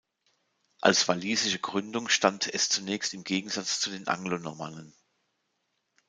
Als walisische Gründung stand es zunächst im Gegensatz zu den Anglo-Normannen.